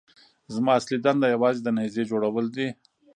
زما اصلي دنده یوازې د نيزې جوړول دي.